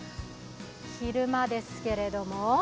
昼間ですけれども。